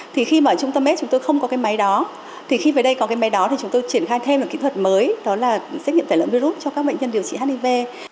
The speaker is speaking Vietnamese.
thì khi mà ở trung tâm phòng chống hivs chúng tôi không có cái máy đó thì khi về đây có cái máy đó thì chúng tôi triển khai thêm một kỹ thuật mới đó là xét nghiệm tải lợi virus cho các bệnh nhân điều trị hiv